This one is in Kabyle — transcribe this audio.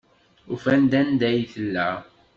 Ufan-d anda ay tella.